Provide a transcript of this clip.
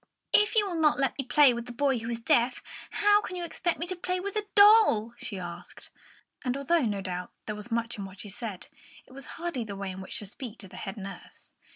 "If you will not let me play with a boy who is deaf, how can you expect me to play with a doll?" she asked; and although, no doubt, there was much in what she said, it was hardly the way in which to speak to the head nurse.